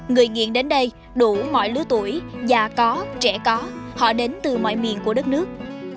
người nghiện đến đây đủ mọi lứa tuổi già có trẻ có họ đến từ mọi miền của đất nước